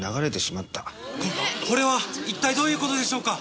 ここれは一体どういう事でしょうか！？